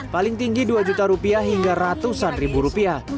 paling tinggi dua juta rupiah hingga ratusan ribu rupiah